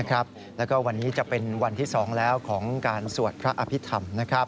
แล้วก็วันนี้จะเป็นวันที่๒แล้วของการสวดพระอภิษฐรรม